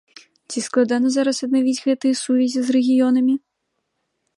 Ці складана зараз аднавіць гэтыя сувязі з рэгіёнамі?